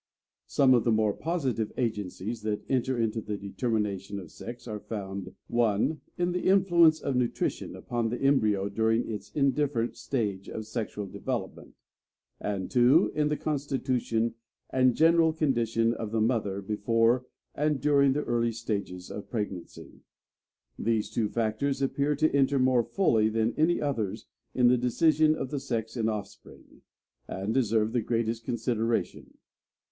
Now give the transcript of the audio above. Some of the more positive agencies that enter into the determination of sex are found (1) in the influence of nutrition upon the embryo during its indifferent stage of sexual development, and (2) in the constitution and general condition of the mother before and during the early stages of pregnancy. These two factors appear to enter more fully than any others in the decision of the sex in offspring, and deserve the greatest consideration.